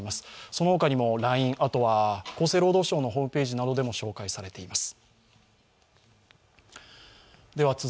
そのほかにもＬＩＮＥ、厚生労働省のホームページなどでも紹介されています。